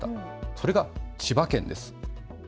それが千葉県です。